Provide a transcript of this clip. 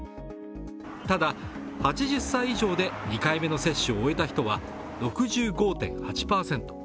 ただ、８０歳以上で２回目の接種を終えた人は６５．８％。